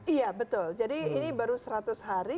iya betul jadi ini baru seratus hari